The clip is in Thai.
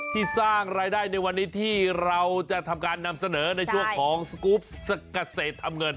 สร้างรายได้ในวันนี้ที่เราจะทำการนำเสนอในช่วงของสกรูปเกษตรทำเงิน